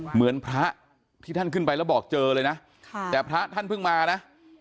เหมือนพระที่ท่านขึ้นไปแล้วบอกเจอเลยนะแต่พระท่านเพิ่งมานะ